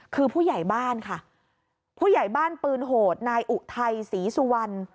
คือผู้ใหญ่บ้านค่ะผู้ใหญ่บ้านปืนโหดนายอุทัยศรีสุวรรณ